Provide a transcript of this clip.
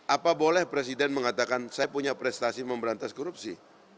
apa boleh presiden mengatakan saya punya prestasi memberantas korupsi